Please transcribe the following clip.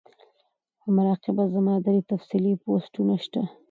پۀ مراقبه زما درې تفصيلی پوسټونه شته